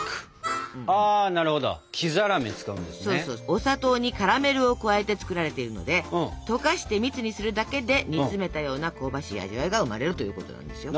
お砂糖にカラメルを加えて作られているので溶かして蜜にするだけで煮詰めたような香ばしい味わいが生まれるということなんですよ。